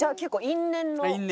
因縁のね。